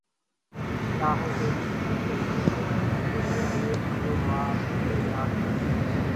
بالآخر تیری مصروفیت کے پیش نظریہ تہہ ہوا کے اب تجھے یاد نہ کیا جائے